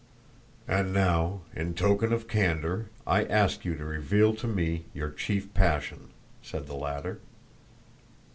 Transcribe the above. "And now, in token of candor, I ask you to reveal to me your chief passion," said the latter.